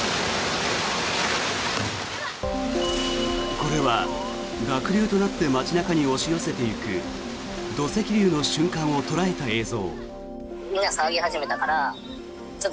これは濁流となって街中に押し寄せていく土石流の瞬間を捉えた映像。